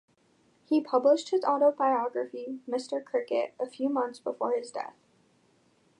He published his autobiography "Mr Cricket" a few months before his death.